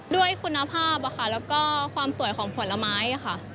ด้วยคุณภาพแล้วก็ความสวยของผลไม้ค่ะ